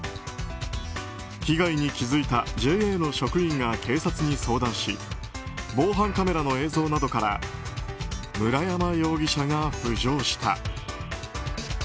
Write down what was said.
被害に気付いたＪＡの職員が警察に相談し防犯カメラの映像などから村山容疑者が浮上した。